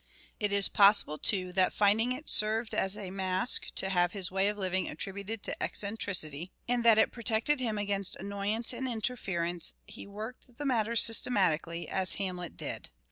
It is possible, too, that finding it served as a mask to have his way of living attributed to eccentricity, and that it protected him against annoyance and interference, he worked the matter systematically, as Hamlet did.